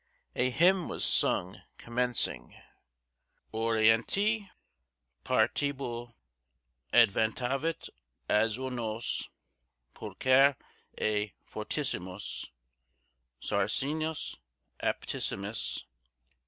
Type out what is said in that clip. A hymn was sung, commencing— Orientis partibus Adventavit asinus; Pulcher et fortissimus, Sarcinis aptissimus.